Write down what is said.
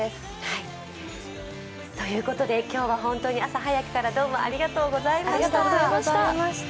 今日は本当に朝早くからどうもありがとうございました。